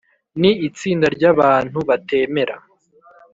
Ni itsinda ry’abantu batemera